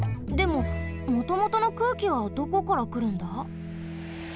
でももともとの空気はどこからくるんだ？